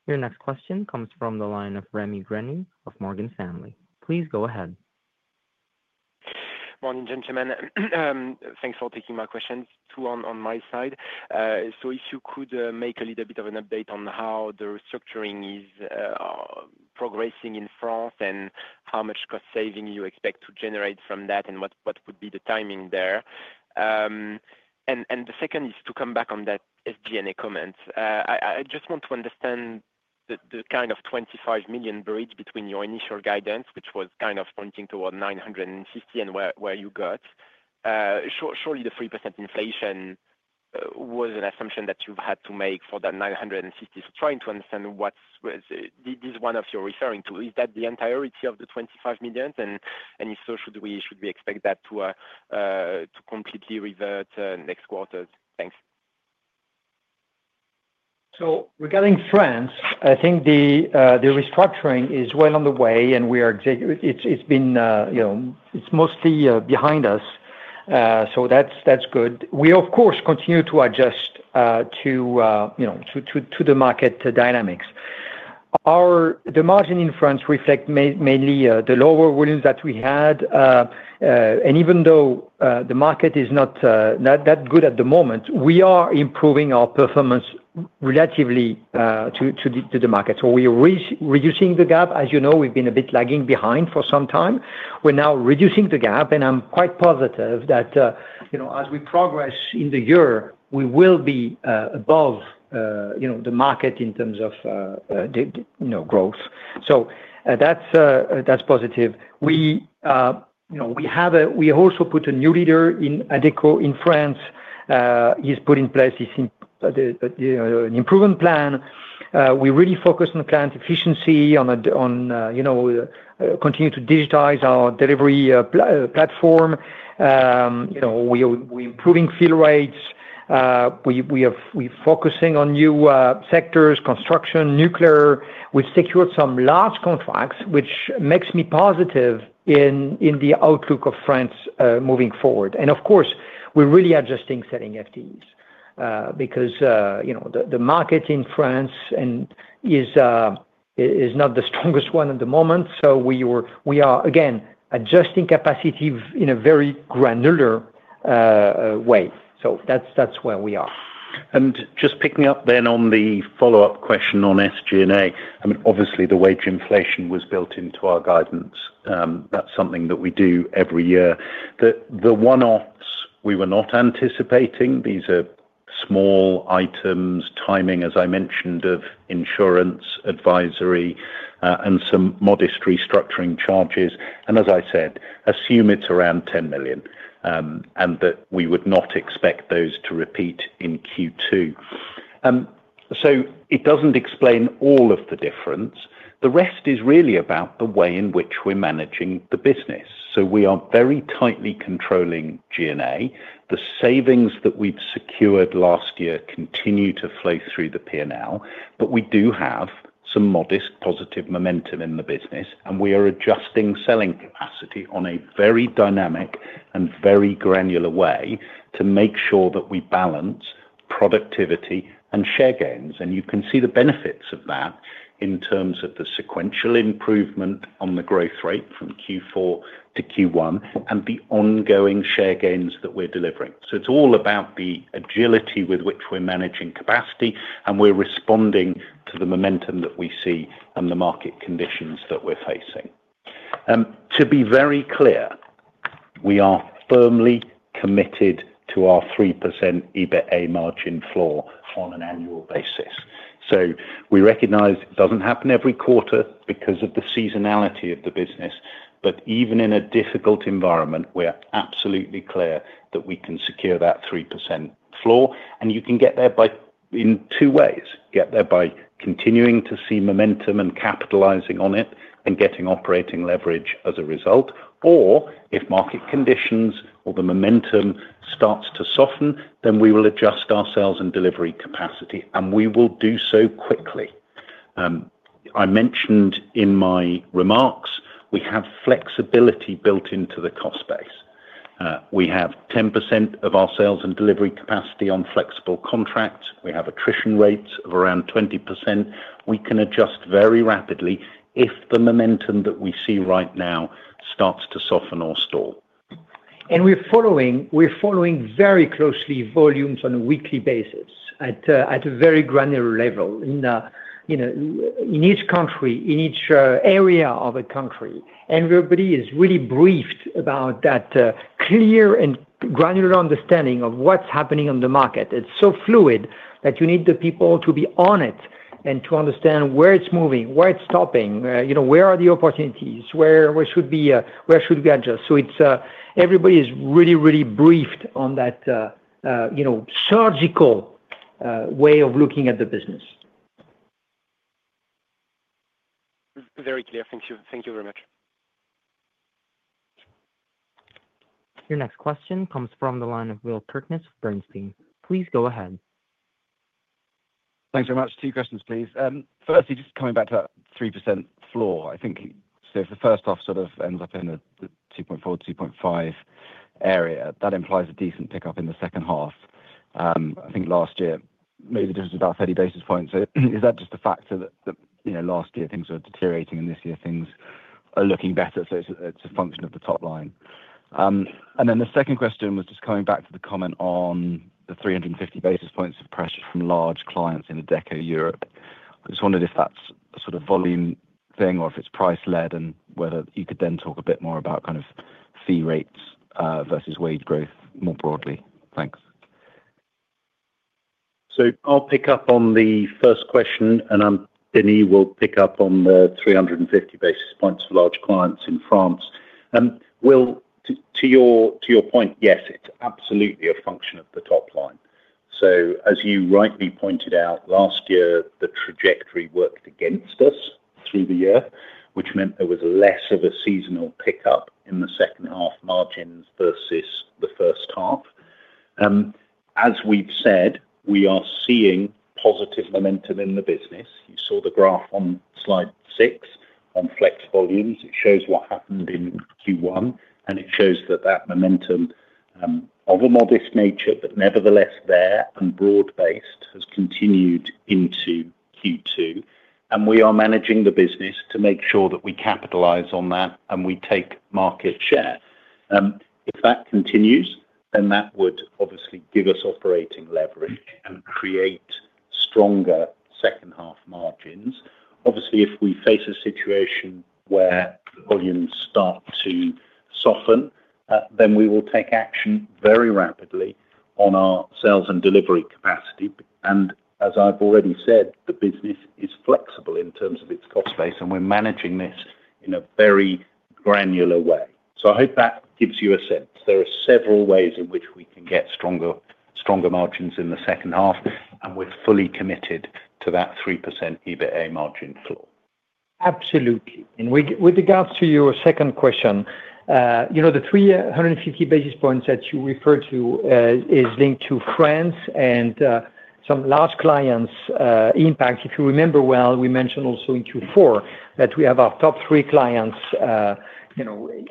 Your next question comes from the line of Remi Grenu of Morgan Stanley. Please go ahead. Morning, gentlemen. Thanks for taking my questions. Two on my side. If you could make a little bit of an update on how the restructuring is progressing in France and how much cost saving you expect to generate from that and what would be the timing there. The second is to come back on that SG&A comment. I just want to understand the kind of 25 million breach between your initial guidance, which was kind of pointing toward 950 million, and where you got. Surely the 3% inflation was an assumption that you've had to make for that 950 million. Trying to understand what this one-off you're referring to is, is that the entirety of the 25 million? If so, should we expect that to completely revert next quarter? Thanks. Regarding France, I think the restructuring is well on the way, and it is mostly behind us. That is good. We, of course, continue to adjust to the market dynamics. The margin in France reflects mainly the lower volumes that we had. Even though the market is not that good at the moment, we are improving our performance relatively to the market. We are reducing the gap. As you know, we have been a bit lagging behind for some time. We are now reducing the gap, and I am quite positive that as we progress in the year, we will be above the market in terms of growth. That is positive. We also put a new leader in Adecco in France. He has put in place an improvement plan. We really focus on client efficiency, on continuing to digitize our delivery platform. We are improving fill rates. We're focusing on new sectors, construction, nuclear. We've secured some large contracts, which makes me positive in the outlook of France moving forward. Of course, we're really adjusting selling FTEs because the market in France is not the strongest one at the moment. We are, again, adjusting capacity in a very granular way. That's where we are. Just picking up then on the follow-up question on SG&A, I mean, obviously, the wage inflation was built into our guidance. That's something that we do every year. The one-offs, we were not anticipating. These are small items, timing, as I mentioned, of insurance, advisory, and some modest restructuring charges. As I said, assume it's around 10 million and that we would not expect those to repeat in Q2. It doesn't explain all of the difference. The rest is really about the way in which we're managing the business. We are very tightly controlling G&A. The savings that we've secured last year continue to flow through the P&L, but we do have some modest positive momentum in the business, and we are adjusting selling capacity in a very dynamic and very granular way to make sure that we balance productivity and share gains. You can see the benefits of that in terms of the sequential improvement on the growth rate from Q4 to Q1 and the ongoing share gains that we're delivering. It is all about the agility with which we're managing capacity, and we're responding to the momentum that we see and the market conditions that we're facing. To be very clear, we are firmly committed to our 3% EBITA margin floor on an annual basis. We recognize it does not happen every quarter because of the seasonality of the business, but even in a difficult environment, we are absolutely clear that we can secure that 3% floor. You can get there in two ways. Get there by continuing to see momentum and capitalizing on it and getting operating leverage as a result. Or if market conditions or the momentum starts to soften, we will adjust our sales and delivery capacity, and we will do so quickly. I mentioned in my remarks, we have flexibility built into the cost base. We have 10% of our sales and delivery capacity on flexible contracts. We have attrition rates of around 20%. We can adjust very rapidly if the momentum that we see right now starts to soften or stall. We're following very closely volumes on a weekly basis at a very granular level in each country, in each area of a country. Everybody is really briefed about that clear and granular understanding of what's happening on the market. It's so fluid that you need the people to be on it and to understand where it's moving, where it's stopping, where are the opportunities, where should we adjust. Everybody is really, really briefed on that surgical way of looking at the business. Very clear. Thank you very much. Your next question comes from the line of Will Kirkness of Bernstein. Please go ahead. Thanks very much. Two questions, please. Firstly, just coming back to that 3% floor, I think. If the first half sort of ends up in the 2.4%-2.5% area, that implies a decent pickup in the second half. I think last year, maybe the difference was about 30 basis points. Is that just a factor that last year things were deteriorating and this year things are looking better? It is a function of the top line. The second question was just coming back to the comment on the 350 basis points of pressure from large clients in Adecco Europe. I just wondered if that is a sort of volume thing or if it is price-led and whether you could then talk a bit more about kind of fee rates versus wage growth more broadly. Thanks. I will pick up on the first question, and Denis will pick up on the 350 basis points for large clients in France. To your point, yes, it is absolutely a function of the top line. As you rightly pointed out, last year, the trajectory worked against us through the year, which meant there was less of a seasonal pickup in the second half margins versus the first half. As we have said, we are seeing positive momentum in the business. You saw the graph on slide six on flex volumes. It shows what happened in Q1, and it shows that that momentum of a modest nature, but nevertheless there and broad-based, has continued into Q2. We are managing the business to make sure that we capitalize on that and we take market share. If that continues, then that would obviously give us operating leverage and create stronger second half margins. Obviously, if we face a situation where volumes start to soften, then we will take action very rapidly on our sales and delivery capacity. As I have already said, the business is flexible in terms of its cost base, and we are managing this in a very granular way. I hope that gives you a sense. There are several ways in which we can get stronger margins in the second half, and we are fully committed to that 3% EBITA margin floor. Absolutely. With regards to your second question, the 350 basis points that you referred to is linked to France and some large clients' impact. If you remember well, we mentioned also in Q4 that we have our top three clients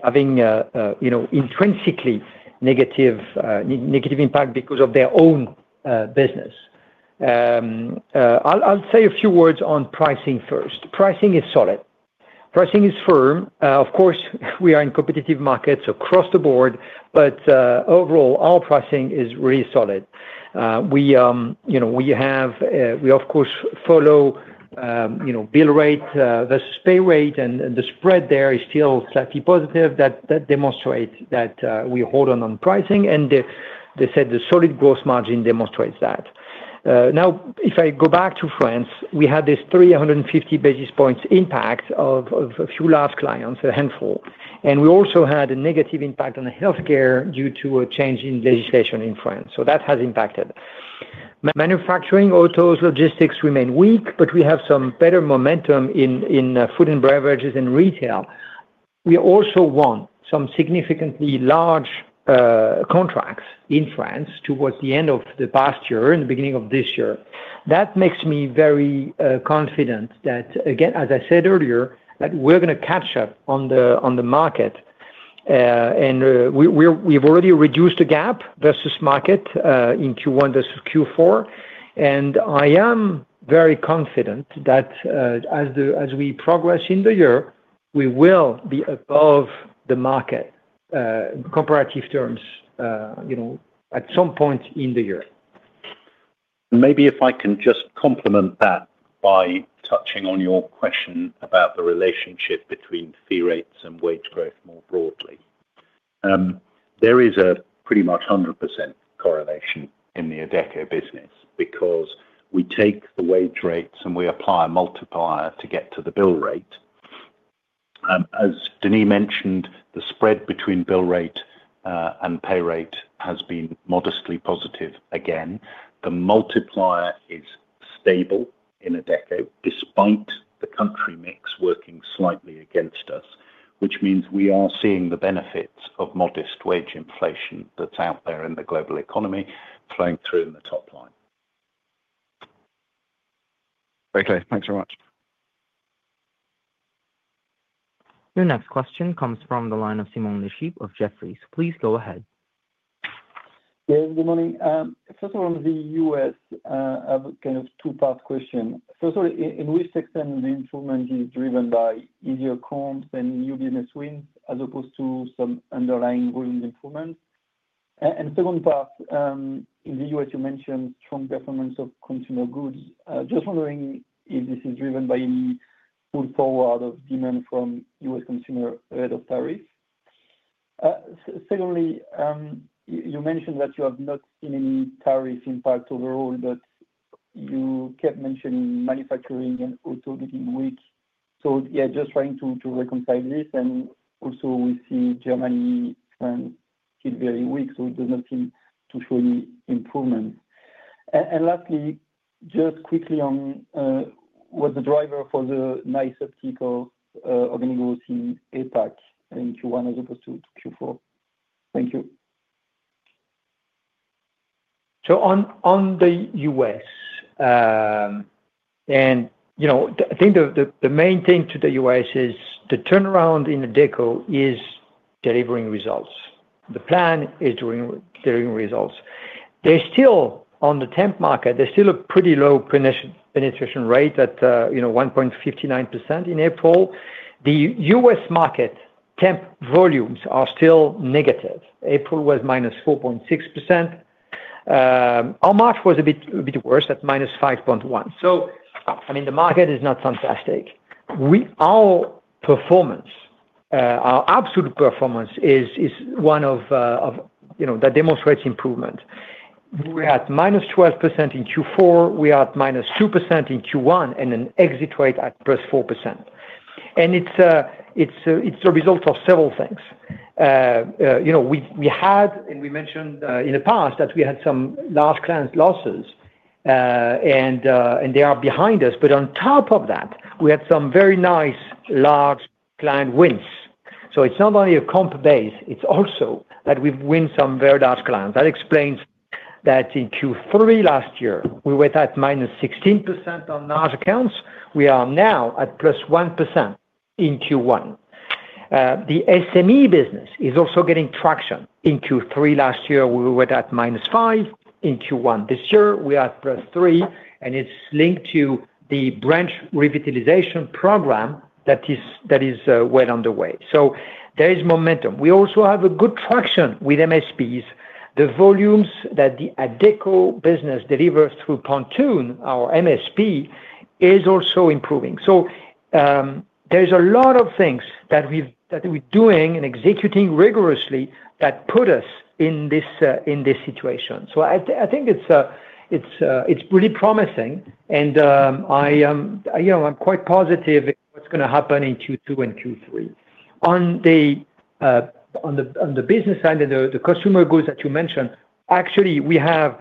having intrinsically negative impact because of their own business. I will say a few words on pricing first. Pricing is solid. Pricing is firm. Of course, we are in competitive markets across the board, but overall, our pricing is really solid. We have, of course, follow bill rate versus pay rate, and the spread there is still slightly positive. That demonstrates that we hold on on pricing, and they said the solid gross margin demonstrates that. Now, if I go back to France, we had this 350 basis points impact of a few large clients, a handful. And we also had a negative impact on healthcare due to a change in legislation in France. That has impacted. Manufacturing, autos, logistics remain weak, but we have some better momentum in food and beverages and retail. We also won some significantly large contracts in France towards the end of the past year and the beginning of this year. That makes me very confident that, again, as I said earlier, that we're going to catch up on the market. We've already reduced the gap versus market in Q1 versus Q4. I am very confident that as we progress in the year, we will be above the market in comparative terms at some point in the year. Maybe if I can just complement that by touching on your question about the relationship between fee rates and wage growth more broadly. There is a pretty much 100% correlation in the Adecco business because we take the wage rates and we apply a multiplier to get to the bill rate. As Denis mentioned, the spread between bill rate and pay rate has been modestly positive again. The multiplier is stable in Adecco despite the country mix working slightly against us, which means we are seeing the benefits of modest wage inflation that is out there in the global economy flowing through in the top line. Very clear. Thanks very much. Your next question comes from the line of Simon Le Chipre of Jefferies. Please go ahead. Yeah, good morning. First of all, in the U.S., I have kind of a two-part question. First of all, to which extent is the improvement driven by easier comps and new business wins as opposed to some underlying volume improvements? And second part, in the U.S., you mentioned strong performance of consumer goods. Just wondering if this is driven by any pull forward of demand from U.S. consumer ahead of tariffs. Secondly, you mentioned that you have not seen any tariff impact overall, but you kept mentioning manufacturing and auto getting weak. Yeah, just trying to reconcile this. Also, we see Germany, France, it is very weak, so it does not seem to show any improvements. Lastly, just quickly on what is the driver for the nice uptick of organic growth in APAC in Q1 as opposed to Q4. Thank you. On the U.S., and I think the main thing to the U.S. is the turnaround in Adecco is delivering results. The plan is delivering results. They're still on the temp market. They're still a pretty low penetration rate at 1.59% in April. The U.S. market temp volumes are still negative. April was -4.6%. Our March was a bit worse at -5.1%. I mean, the market is not fantastic. Our performance, our absolute performance is one that demonstrates improvement. We're at -12% in Q4. We are at -2% in Q1 and an exit rate at +4%. It's the result of several things. We had, and we mentioned in the past that we had some large client losses, and they are behind us. On top of that, we had some very nice large client wins. It's not only a comp base. It's also that we've won some very large clients. That explains that in Q3 last year, we were at -16% on large accounts. We are now at +1% in Q1. The SME business is also getting traction. In Q3 last year, we were at -5. In Q1 this year, we are at +3, and it's linked to the branch revitalization program that is well underway. There is momentum. We also have good traction with MSPs. The volumes that the Adecco business delivers through Pontoon, our MSP, are also improving. There are a lot of things that we're doing and executing rigorously that put us in this situation. I think it's really promising, and I'm quite positive in what's going to happen in Q2 and Q3. On the business side and the consumer goods that you mentioned, actually, we have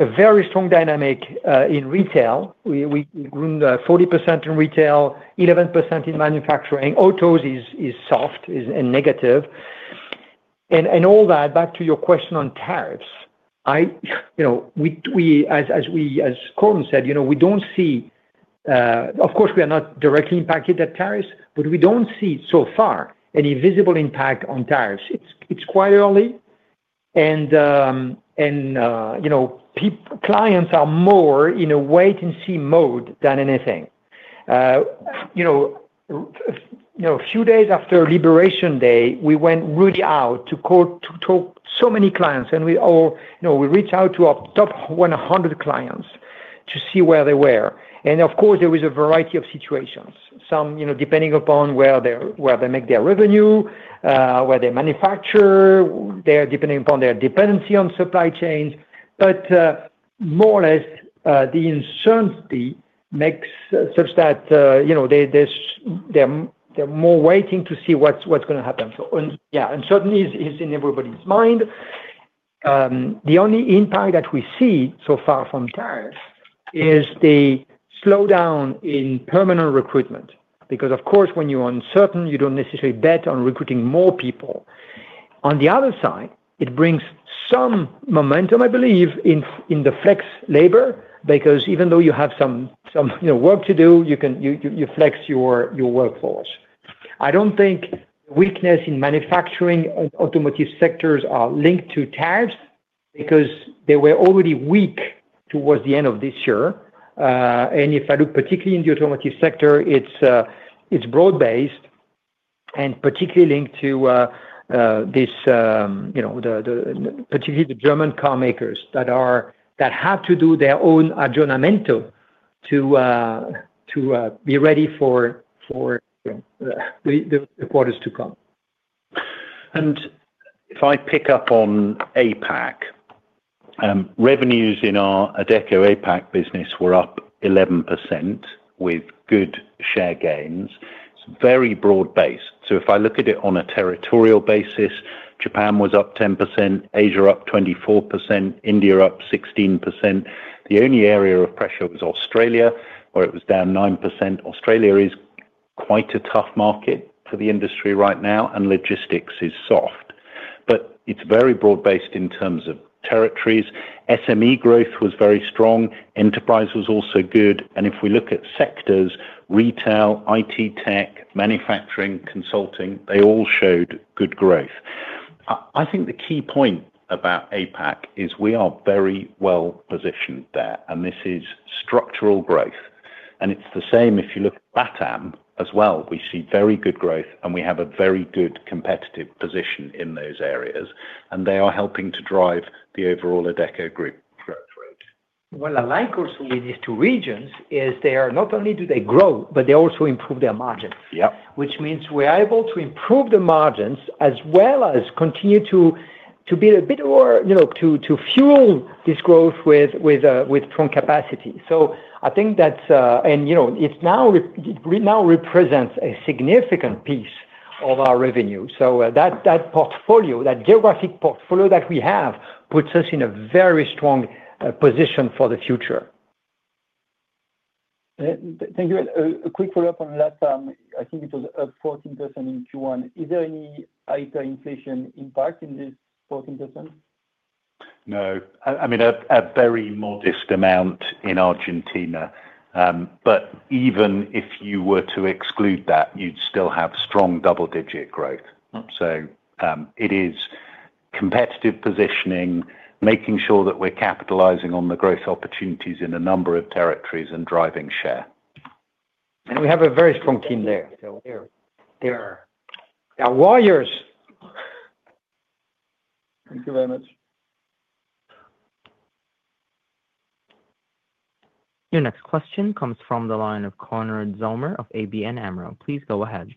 a very strong dynamic in retail. We grew 40% in retail, 11% in manufacturing. Autos is soft and negative. All that, back to your question on tariffs, as Coram said, we do not see—of course, we are not directly impacted at tariffs, but we do not see so far any visible impact on tariffs. It is quite early, and clients are more in a wait-and-see mode than anything. A few days after Liberation Day, we went really out to talk to so many clients, and we reached out to our top 100 clients to see where they were. Of course, there was a variety of situations, some depending upon where they make their revenue, where they manufacture, depending upon their dependency on supply chains. More or less, the uncertainty makes such that they're more waiting to see what's going to happen. Yeah, uncertainty is in everybody's mind. The only impact that we see so far from tariffs is the slowdown in permanent recruitment because, of course, when you're uncertain, you don't necessarily bet on recruiting more people. On the other side, it brings some momentum, I believe, in the flex labor because even though you have some work to do, you flex your workforce. I don't think the weakness in manufacturing and automotive sectors are linked to tariffs because they were already weak towards the end of this year. If I look particularly in the automotive sector, it's broad-based and particularly linked to this—particularly the German carmakers that have to do their own adjournamento to be ready for the quarters to come. If I pick up on APAC, revenues in our Adecco APAC business were up 11% with good share gains. It is very broad-based. If I look at it on a territorial basis, Japan was up 10%, Asia up 24%, India up 16%. The only area of pressure was Australia, where it was down 9%. Australia is quite a tough market for the industry right now, and logistics is soft. It is very broad-based in terms of territories. SME growth was very strong. Enterprise was also good. If we look at sectors—retail, IT tech, manufacturing, consulting—they all showed good growth. I think the key point about APAC is we are very well positioned there, and this is structural growth. It is the same if you look at Batam as well. We see very good growth, and we have a very good competitive position in those areas. They are helping to drive the overall Adecco Group growth rate. What I like also in these two regions is they not only grow, but they also improve their margins, which means we are able to improve the margins as well as continue to be a bit more to fuel this growth with strong capacity. I think that is—and it now represents a significant piece of our revenue. That portfolio, that geographic portfolio that we have puts us in a very strong position for the future. Thank you. A quick follow-up on that. I think it was up 14% in Q1. Is there any hyperinflation impact in this 14%? No. I mean, a very modest amount in Argentina. Even if you were to exclude that, you would still have strong double-digit growth. It is competitive positioning, making sure that we're capitalizing on the growth opportunities in a number of territories and driving share. We have a very strong team there. They're our warriors. Thank you very much. Your next question comes from the line of Konrad Zomer of ABN AMRO. Please go ahead.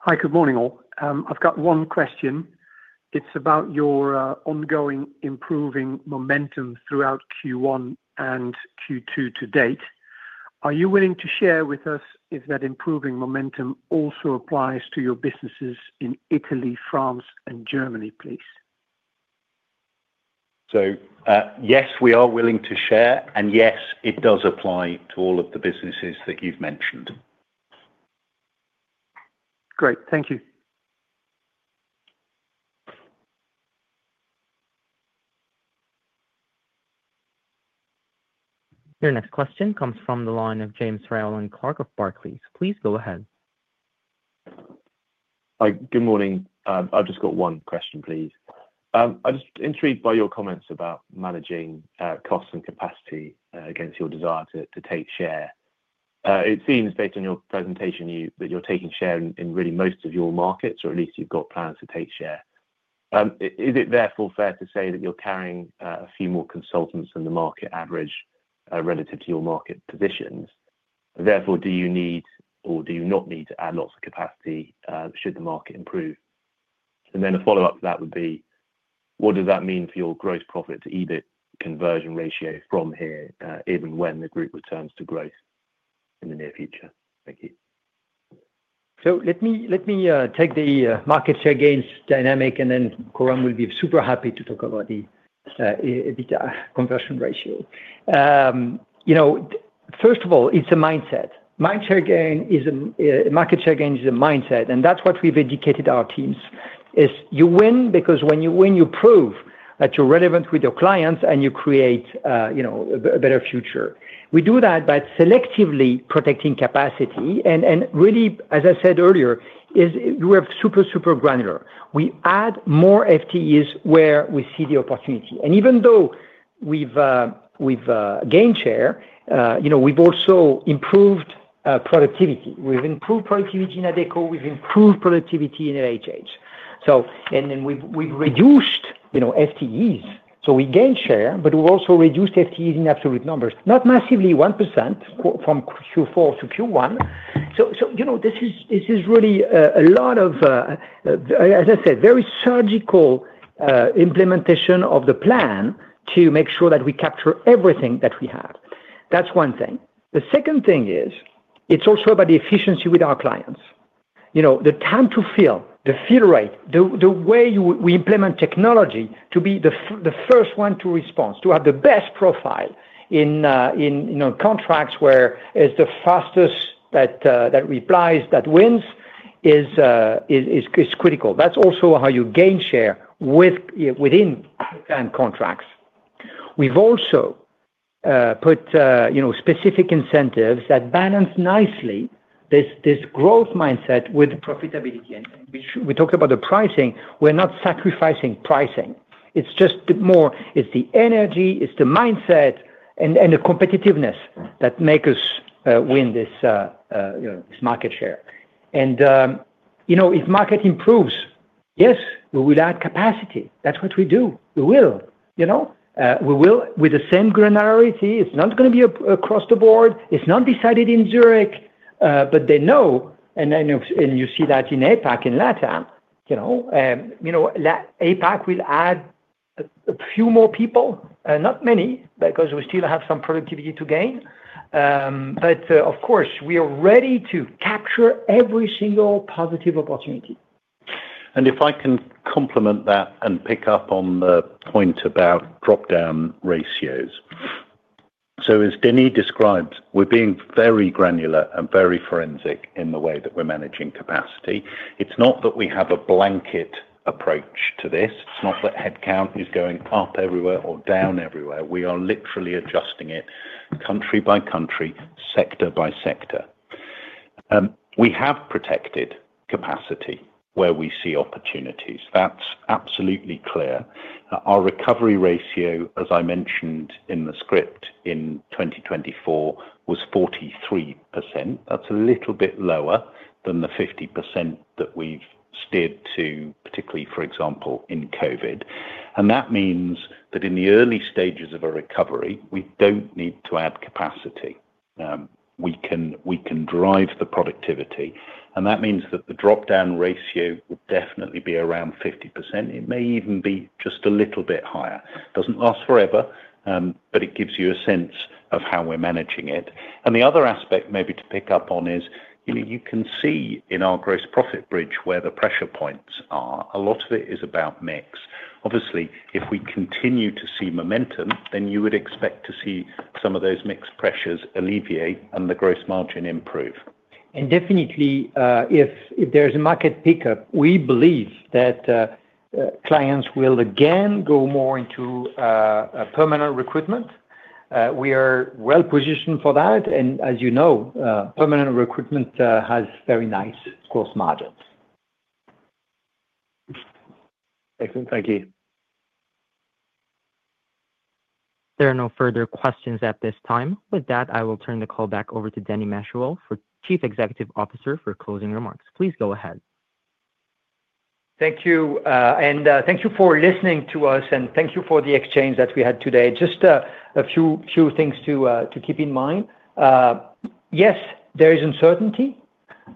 Hi, good morning, all. I've got one question. It's about your ongoing improving momentum throughout Q1 and Q2 to date. Are you willing to share with us if that improving momentum also applies to your businesses in Italy, France, and Germany, please? Yes, we are willing to share, and yes, it does apply to all of the businesses that you've mentioned. Great. Thank you. Your next question comes from the line of James Rowland Clark of Barclays. Please go ahead. Hi, good morning. I've just got one question, please. I'm just intrigued by your comments about managing costs and capacity against your desire to take share. It seems, based on your presentation, that you're taking share in really most of your markets, or at least you've got plans to take share. Is it therefore fair to say that you're carrying a few more consultants than the market average relative to your market positions? Therefore, do you need or do you not need to add lots of capacity should the market improve? A follow-up to that would be, what does that mean for your gross profit to EBIT conversion ratio from here, even when the group returns to growth in the near future? Thank you. Let me take the market share gains dynamic, and then Coram will be super happy to talk about the EBIT conversion ratio. First of all, it's a mindset. Market share gain is a market share gain is a mindset, and that's what we've educated our teams is you win because when you win, you prove that you're relevant with your clients and you create a better future. We do that by selectively protecting capacity. Really, as I said earlier, we're super, super granular. We add more FTEs where we see the opportunity. Even though we've gained share, we've also improved productivity. We've improved productivity in Adecco; we've improved productivity in LHH. Then we've reduced FTEs. We gained share, but we've also reduced FTEs in absolute numbers, not massively, 1% from Q4 to Q1. This is really a lot of, as I said, very surgical implementation of the plan to make sure that we capture everything that we have. That's one thing. The second thing is it's also about the efficiency with our clients. The time to fill, the fill rate, the way we implement technology to be the first one to respond, to have the best profile in contracts where it's the fastest that replies, that wins, is critical. That's also how you gain share within contracts. We've also put specific incentives that balance nicely this growth mindset with profitability. We talked about the pricing. We're not sacrificing pricing. It's just more it's the energy, it's the mindset, and the competitiveness that make us win this market share. If market improves, yes, we will add capacity. That's what we do. We will with the same granularity. It's not going to be across the board. It's not decided in Zurich, but they know. You see that in APAC, in LATAM. APAC will add a few more people, not many, because we still have some productivity to gain. Of course, we are ready to capture every single positive opportunity. If I can complement that and pick up on the point about drop-down ratios. As Denis described, we're being very granular and very forensic in the way that we're managing capacity. It's not that we have a blanket approach to this. It's not that headcount is going up everywhere or down everywhere. We are literally adjusting it country by country, sector by sector. We have protected capacity where we see opportunities. That's absolutely clear. Our recovery ratio, as I mentioned in the script in 2024, was 43%. That's a little bit lower than the 50% that we've steered to, particularly, for example, in COVID. That means that in the early stages of a recovery, we don't need to add capacity. We can drive the productivity. That means that the drop-down ratio would definitely be around 50%. It may even be just a little bit higher. It does not last forever, but it gives you a sense of how we are managing it. The other aspect maybe to pick up on is you can see in our gross profit bridge where the pressure points are. A lot of it is about mix. Obviously, if we continue to see momentum, then you would expect to see some of those mix pressures alleviate and the gross margin improve. Definitely, if there is a market pickup, we believe that clients will again go more into permanent recruitment. We are well positioned for that. As you know, permanent recruitment has very nice gross margins. Excellent. Thank you. There are no further questions at this time. With that, I will turn the call back over to Denis Machuel, Chief Executive Officer, for closing remarks. Please go ahead. Thank you. And thank you for listening to us, and thank you for the exchange that we had today. Just a few things to keep in mind. Yes, there is uncertainty,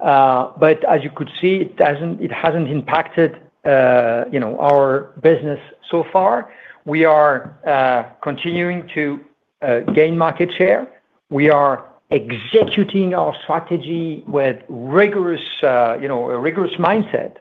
but as you could see, it has not impacted our business so far. We are continuing to gain market share. We are executing our strategy with a rigorous mindset.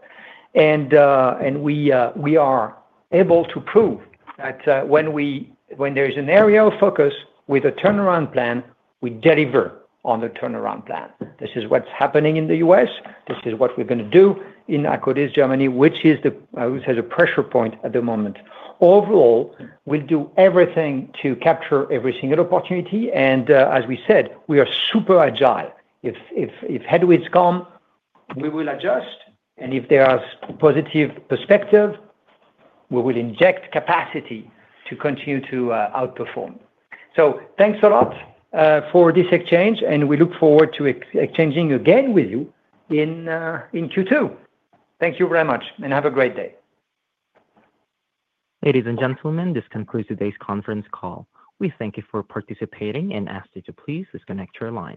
We are able to prove that when there is an area of focus with a turnaround plan, we deliver on the turnaround plan. This is what is happening in the US. This is what we are going to do in Akkodis Germany, which has a pressure point at the moment. Overall, we will do everything to capture every single opportunity. As we said, we are super agile. If headwinds come, we will adjust. If there are positive perspectives, we will inject capacity to continue to outperform. Thanks a lot for this exchange, and we look forward to exchanging again with you in Q2. Thank you very much, and have a great day. Ladies and gentlemen, this concludes today's conference call. We thank you for participating and ask that you please disconnect your line.